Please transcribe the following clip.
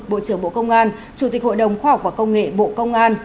bộ trưởng bộ công an chủ tịch hội đồng khoa học và công nghệ bộ công an